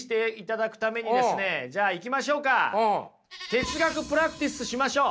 哲学プラクティスしましょう。